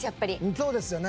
そうですよね。